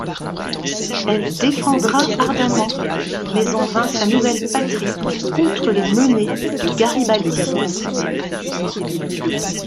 Elle défendra ardemment mais en vain sa nouvelle patrie contre les menées de Garibaldi.